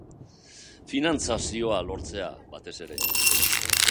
Finantzazioa lortzea, batez ere.